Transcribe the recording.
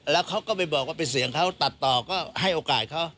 แล้วเขาก็ไปบอกว่าเป็นเสียงเขาตัดต่อก็ให้โอกาสเขา